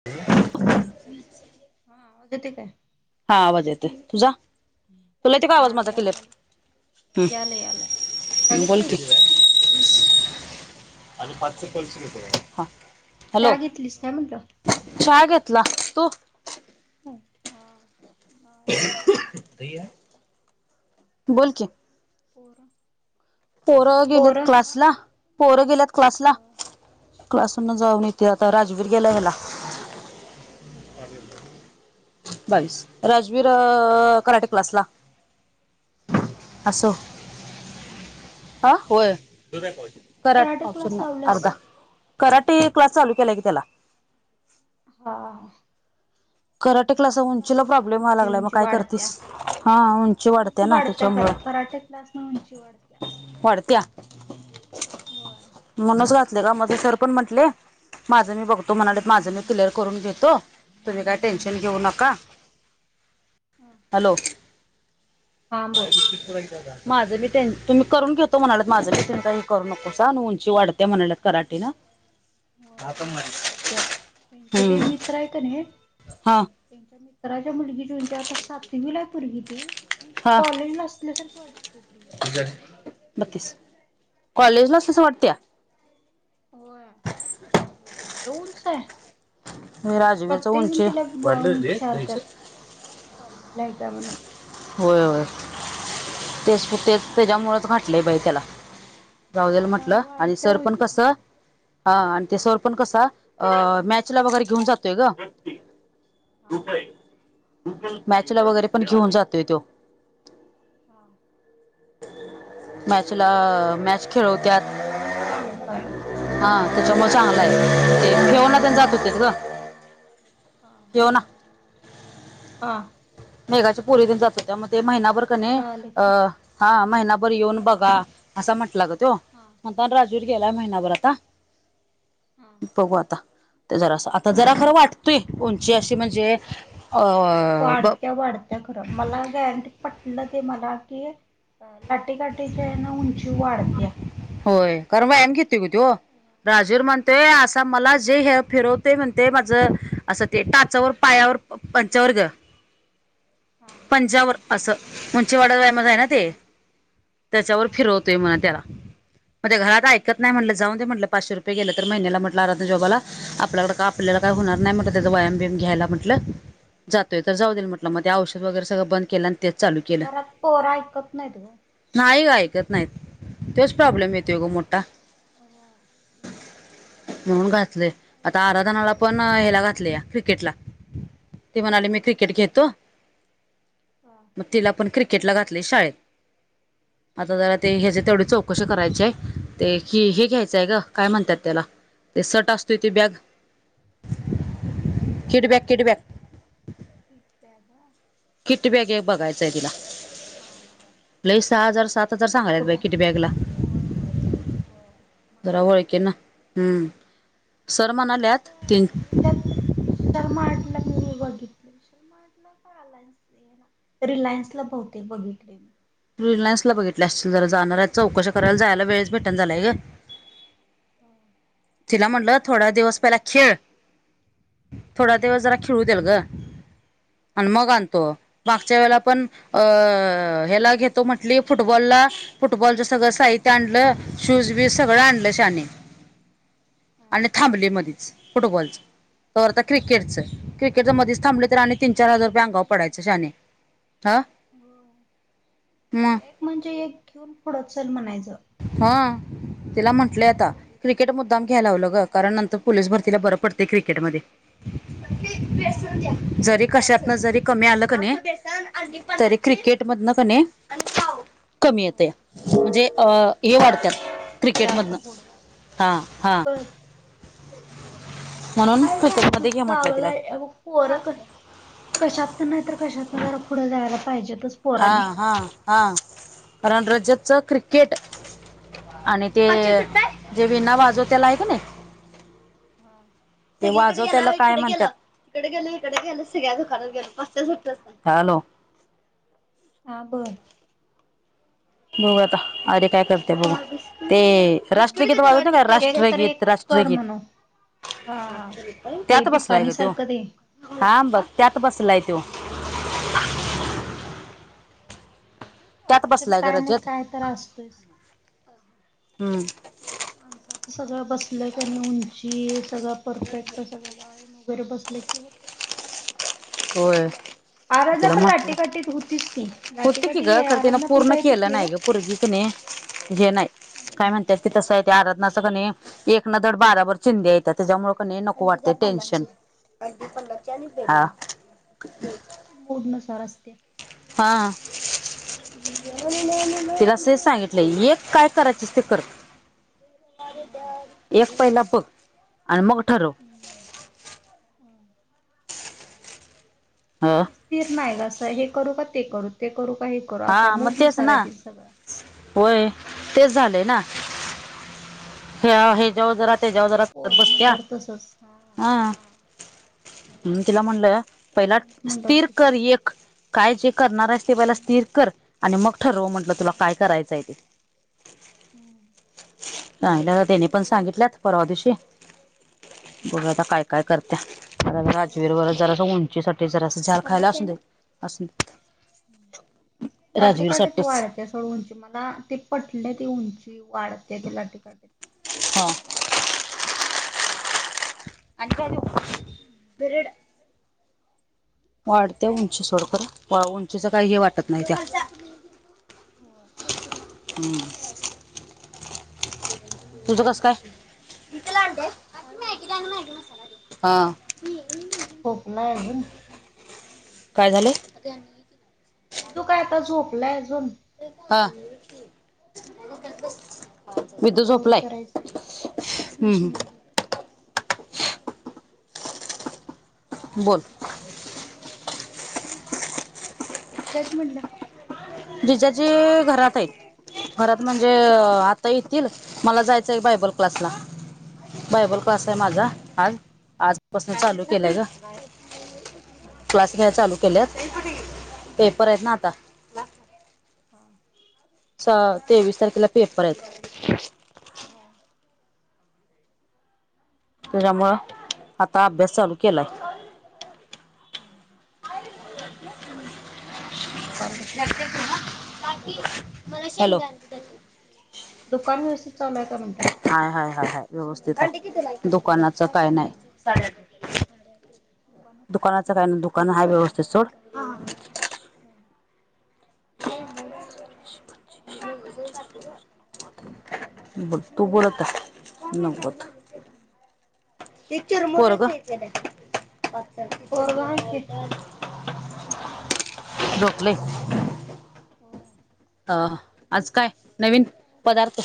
[inaudible] हा. आवाज येतोय काय? हा. आवाज येतोय तुझा. तुला येतोय का हा आवाज माझा यायला क्लियर? लागला. यायलाय यायलाय चहा हम्म. बोल की. घेतलीस? [unintelligible] हॅलो चहा घेतलीस का म्हटलं? चहा घेतला. तू? ह हा. नाही अजून आता घेतला बोल की. पोर. पोरं गेल्यात क्लासला. पोरं गेल्यात क्लासला. हा क्लासहून मग हा जाऊन येत्यात. तर राजबीर गेला ह्याला. हं. बावीस. राजवीर अ? कराटे क्लास ला. हां. लावलास काय त्याला कराटे क्लास? हा? होय. कराटे क्लास, कराटे पावशेर नाही लावल्यास? अर्धा. कराटे क्लास चालू केलाय की त्याला. हा. करट- क्लासअसं. जरा उंचीला अशी प्रॉब्लेम याय य उंची लागलाय. म उंची काय वाढत्या करतेस? हा. उंची वाढते ना त्याच्यामुळे. क्लासनी उंची वाढतेया. वाढतेया. होय. म्हणूनच घातले ग! मग ते सर पण म्हंटले- माझं मी बघतो म्हणाले. हा माझं मी क्लिअर करून घेतो. तुम्ही काय- टेन्शन घेऊ हा नका. हा. हॅलो. हा बोल माझं मी, त्यां तुम्ही करून घेतो म्हणालेत. माझं मी तू काही करू नको स हं. उंची वाढते म्हणालेत कराटेन. [inaudible] हो उंची वाढत्या त्यांचे ते हम्म मित्र आहे का नहे हा. तेंच्या मित्राच्या मुलगी ची तेंचि आता सातवी ला आहे पूर्गी ती ऊंच हा कॉलेजला असल्यासारखी वाटत्या ती पूर्गी. बत्तीस कॉलेजला तसं वाटत्या? होय लै ऊंच हाय. राजवीरच प्रत्येजन उंची तिला बून इच्छारतात कॉलेज ला हाय काय म्हणून. होय होय तेच तेच तेज्यामूळचं घाटलंय बाई तेला. राऊजल म्हटलं आणि वाढत्या सर पण उंची कसं वाढत्या हा आणि ते सर पण कसा अ मॅच ला वगैरे घेऊन जातोय ग. हा मॅचला वगैरे पण घेऊन जातोय त्यो. हा. मॅचला. मॅच खेळवत्यात चांगलंय हम्म. त्याच्या म चांगला आहे. [inaudible] हो आ. मेघाची पुरी तेन जातो त्या म ते महिनाभर कने कळालं अ की हा महिनाभर येऊन बघा असा म्हटला ग त्यो हा म्हणतान राजवीर गेलाय हा महिनाभर आता हा हा बघू आता. ते जरास आता जरा खरं वाटतोय उंची अशी म्हणजे अ वाढत्या वाढत्या खर मला गॅरंटी पट लं ते मला कि लाटेकाटी खेळणं उंची वाढत्या. होय कारण व्यायाम घेतोय ग त्यो होय राजूर म्हणतोय हो असा मला जे हे फिरव ते म्हणते माझं असं ते टाचावर पायावर पंचावर ग हा पंजावर पंचावन्न असं उंचीवाडा वयामध्ये आहे ना ते. हम्म तेच्यावर हा फिरवतोय म्हणा तेला. म ते घरात ऐकत नाही हम्म म्हटलं जाऊन ते म्हटलं पाचशे रुपये तर महिन्याला म्हटलं अ जबाला आपल्याकड का आपल्याला काय हम्म होणार नाही म्हट त्याज व्यायाम बियाम घ्यायला म्हटलं. जातोय तर जाऊ देल म्हटलं हो मग औषध वगरे सगळं बंद केलं तेच चालू केलं घरात पोरा ऐकत नाही वो. नाही व ऐकत नाहीत. तोच प्रॉब्लेम येतोय गो मोठा. हो. म्हणून घातलेय आता ऐकत नाहीत आराधनाला पोरं पण घरात ह्याला घातलया क्रिकेटला. ते म्हणाले हा मी क्रिकेट घेतो हा म तिला पण क्रिकेटला घात लय शाळेत आता हा जरा ते हेज तेवढ चौकशी करायची ते हे हे घ्यायचंय ग काय म्हणतात त्याला ते सट असतोय ते बॅग किडबॅग किडबॅग. किटबॅग होय. किट बॅग हे बघायचंय तिला. हा हा. लई सहा हजार सात तजार सांगाल्यात बाई कुठं किटबॅगला होय होय होय महाग जरा आहे ओळखेना हम्म. सर म ना तिथ हेज्यात विशाल मार्टला मी बघितलंय विशाल मार्टला का यनस रिलायन्सला बहुतेक बघितले मी. रिलायन्सला बघितल्या असशील जरा जाणाराय चौकश्या करायला हा जायला वेळच भेटण झालाय गं. हा. तिला म्हणलं थोडा दिवस पहिला खेळ थोडा दिवस जरा हम्म खेळू देल ग. आणि होय मग आणतो. मागच्या वेळला पण अ ह्याला घेतो म्हंटली फुटबॉलला. फुटबॉलचं सगळं साहित्य हम्म आणलं शूज बीज सगळं आणलं शाने. हम्म आणि थांबली मधीच फुटबॉलची. तवर आता हम्म क्रिकेटचं क्रिकेटच तिला मधीच थांबलं तर आणि तीन आता चार हजार एक रुपये अंगाव म्हणजे एक पडायच घे शाने. होय. म? एक म्हणजे एक घेऊन पुढ चल म्हणायचं. हा तिला म्हंटलंय आता क्रिकेट मुद्दाम घ्याय लावलं ग कारण नंतर पोलीस भरतीला बरं पडतय क्रिकेट मध्ये. हा जरी कशातन जरी कमी आलं क नाही तरी क्रिकेट हम्म मधन क नाही कमी येतया. म्हणजे अ हे हो. वाढतात जास्त क्रिकेटमधनं फुड जातय. हा हा बस. [unintelligible] म्हणून हाय का क्रिकेट अस मध्ये घे म्हटलं तिला चांगलाय मग पोर कशी कशातन नाही तर कशातनं जरा पुढं जायला पाहिजेतच पोर हा आणि हा हा कारण रजतच क्रिकेट आणि ते जे विणा वाजवत्याला आहे का नाही? हा. ते वाजवत्याल काय म्हणत्यात? इकड गेल इकड गेल सगळ्या दुकानात गेलो पाचशेच सुट्टच नाही. हॅलो. आ बर. बघूया आता. अरी काय करत्या बघू. ते राष्ट्रगीत वाळुदे काय? एक तर राष्ट्रगीत. एक कर राष्ट्रगीत. म्हणू हा हा. ते त्यात बसलाय पिपाणी ग त्यो सारखं ते हांबघ त्यात बसलाय त्यो. हा हम. त्यात ऑप्शन बसलाय ग काय नाही रजत काय तर असतोयच. हम्म. माणसाचं सगळं बसलं कनी उंची सगळं परफेक्ट सगळं [unintelligible] जरी बसल कि होतय. होय. आराधना तिला पण म्हटलं लाटीकाठीत होतीच की होत कि ग लाटीकाठी खर तीन आराधना पण पूर्ण जायत केल होती नाय ह. ग पुर्गी क नाही घे नाही काय म्हणत्यात ते तसं आहे. ते आराधनाच कणे एक ना धड बाराभर चिंध्या हायत्या त्याच्यामुळे कणी नको वाटतय टेन्शन. [unintelligible] हा. ती मूड नूसार असते. हा तिला तेच सांगितलं. -लय एक काय करायचस ते कर. एक पहिला बघ. आणि मग ठरव. ती ह स्थिर नाही ग असं हे करू का ते करू ते करू का हे करू हा असं मग मूड तेच नूसार ना आहे तिच सगळं. होय तेच झालंय ना ह्या हे याच्यावर काय जरा तर त्याच्यावर जरा करत पोरं बसत्या. म्हटल्यावर तसच हा म्हणून तिला म्हणलं पहिला पोरांच म्हटल्यावर स्थिर कर तसच. एक काय जे करणार आहेस ते पहिला स्थिर कर आणि मग ठरव म्हंटलं तुला काय करायचंय ते हो [inaudible] चांगल्या त्याने पण सांगितल्यात परवा दिवशी बघू आता काय काय करत्या राजवीर वग जरा असं उंचीसाठी जरा असं झाल खायला असू दे असूदे लाटे काटे तू साठीच वाळ येत [unintelligible] त्या सोड उंची मला ते पटले ती उंची वाढते ते लाठी काठी हा हम् [inaudible] आणि काय देऊ ब्रँड वाढत्या उंची सोड खर उंचीच काही हे वाटत नाही त्या हो [inaudible] हम्म तुझं होय कस काय हा व्यवस्थित आहे. हा काय झोपलाय अजून काय झालं मी तू काय आता झोपलंय अजून हा मिटू आवराआवरी झोपलाय करायचं हम् होय बोल [inaudible] जडाच म्हटलं जिजाजी घरात आहेत घरात म्हणजे हा आता येतील मला जाय चल बायबल क्लास ला हा बायबल क्लास हा आहे माझा आज आज पासन चालू केलाय ग हां ह क्लास घ्याय चालू केल्यात पेपर आहेत ना आता हा च तेवीस तारखेला पेपर आहेत हा त्याच्या मुळ आता अभ्यास चालू केलाय हा [unintelligible] दुकान कसं काय नाही वि चाल हॅलो मला शेंगदाण दुकान व्यवस्थित चालू आहे का म्हंटल हाय हाय हाय व्यवस्थित आहे दुकानाच काय नाही दुकानातच आहेस दुकानाचं काही आता ना दुकान हाय व्यवस्थित सोड हा [unintelligible] हम् ब तू बोल आता नत [inaudible] ये चिरमुर काय पोरग अच्छ पोरगं आहे की झोपलंय झोपलय हो अ आज काय नवीन आता पदार्थ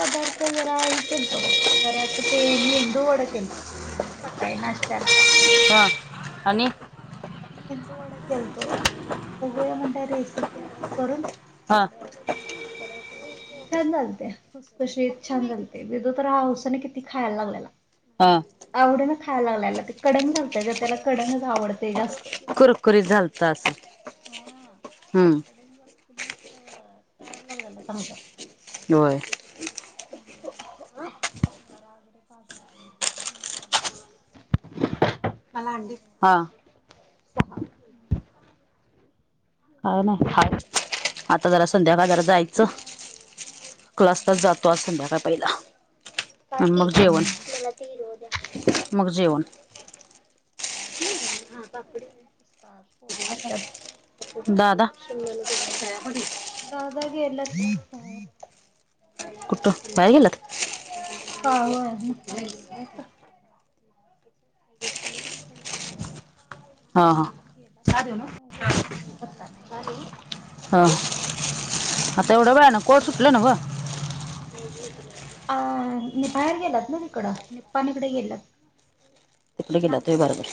पदार्थ जरा हे केलतो बघ गराचं ते मेंदू वड केलत सकाळी नाश्त्याला हा आणि मेंदू वड केलतो जरा बघूया म्हणल रेसिपी जरा करून हा छान झालते खुसखशी छान झालते दिदु तर हौसने किती खायला लागलेला हां आवडीन खायला लागलाला ते कडंग झालतंय ग त्याला कडंगच आवडते ग असतं कुरकुरीत झालत असं हा हम्म कडंग मस्त खायला लागलेय चांगल होय हो गरा वगैरे भाजून व्यवस्थित चांगलं झालतं ते मला अंडी हा सहा हम् का नाही हा आता जरा संध्याकाळर जायचं क्लासलाच जातो अस संध्याका पहिला मग हा. जेवण मग जेवण त्यात पोर येतात दादा दादा गेल कुठं बाहेर गेलंत ह होय निपाणीला गेल्यात तिकड काम आहे हा हा गेलात सकाळी लवकर अजून का पत्ता नाही यायचा ह आता एवढं वेळानं ना कोर्ट सुटलं नव अ नि बाहेर गेलात ना तिकडं निप्पाानिकडे गेलत तिकडे गेला तोय बरोबर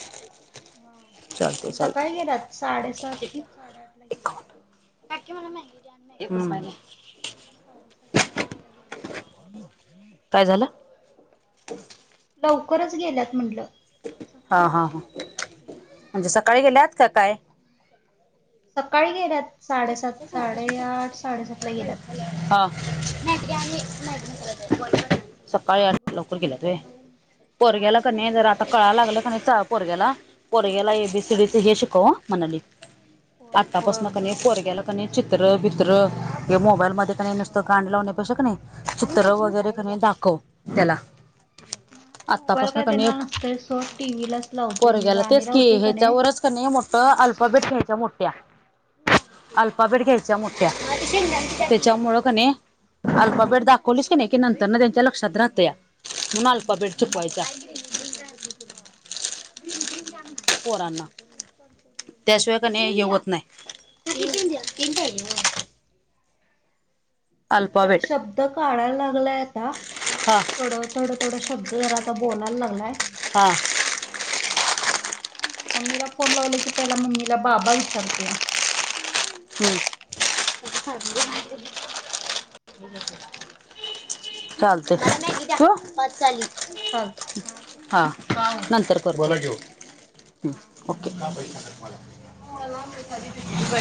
हा चालते ते सकाळी चालते गेलात साडेसात साडेआठ ला गेलात नक्की मला मॅगी द्यान एक हम साडेसात साडेआठ ला गेलात लवकरच काय झालं लवकरच गेल्यात म्हटलं हा सकाळी हा ह येतील म्हणजे थोड्या सकाळी वेळानं गेल्यात का काय सकाळी गेल्यात साडेसात साडेआठ साडेसात ला गेल्यात हा हम्म सकाळी तर आठ लवकर बघायचं गेला तु फोन लावून पर ग्याला होय का नाही जरा आता कळाला लागलं का नाही च पोरग्याला पोरग्याला हा, एबीसीडीच हे शिकव म्हणाली होय होय आतापासन क होय परोर ग्याला क चित्र बित्र मोबाईलमध्ये नुसत होय कांड लावण्यापेक्षा क नाही चित्र वगैरे क होय. दाखव त्याला मग मोबाईल आतापासन काय क देणार नसतोय सोड टीव्ही लाच लावतोय पोरग्या कड मी गेलं गाणी तेच की लावतोय का नाही ह्याच्यावरच लय मोठ हम्म अल्पबेट घ्यायच्या मोठ्या हा अल्पा बेट घ्यायच्या मोठ्या त्याच्या हा मुळकने अल्प बेट दाखवली की नाही की नंतर ना त्यांच्या द्रात राहात हा या म्हून अल्पा लक्षात बेड राहतय छुपवायच्या होय पौरांना ह सपरीला ने हे होत नाही होय. अल्फाबेट शब्द काढायला लागलायता हा थोडं थोड थोड श्द जर आता बोलायला लागलाय हा मम्मीला फोन लावले की पहिला मम्मीला बाबा विचारतो या हम्म, हम् हम् चालत हो हा चालतंय हा ठेव ह नंतर कर बोल हा हू हा ठेव व्हय